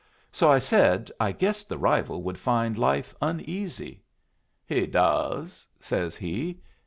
So I said I guessed the rival would find life uneasy. 'He does,' says he.